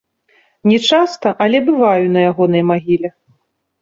Не часта, але бываю на ягонай магіле.